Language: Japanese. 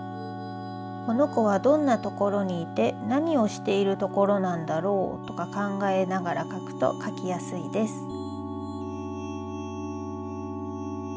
このこはどんなところにいてなにをしているところなんだろうとかかんがえながら描くと描きやすいです。